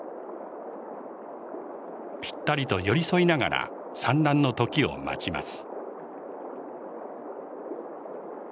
ぴったりと寄り添いながら産卵の時を待ちます。